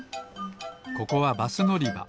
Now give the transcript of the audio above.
ここはバスのりば。